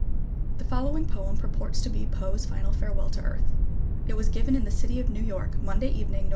[The following poem purports to be Poe's final farewell to Earth. It was given in the city of New York, Monday evening, Nov.